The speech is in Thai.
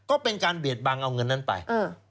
ก็เป็นการเบียดบังเอาเงินนั้นไป